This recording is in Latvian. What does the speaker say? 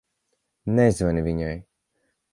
Nezvani viņai.